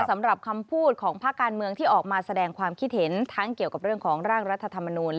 สำหรับคำพูดของภาคการเมืองที่ออกมาแสดงความคิดเห็นทั้งเกี่ยวกับเรื่องของร่างรัฐธรรมนูล